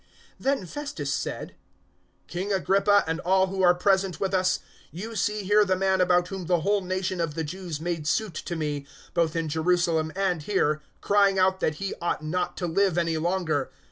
025:024 Then Festus said, "King Agrippa and all who are present with us, you see here the man about whom the whole nation of the Jews made suit to me, both in Jerusalem and here, crying out that he ought not to live any longer.